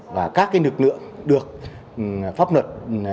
và các nực lượng được pháp luật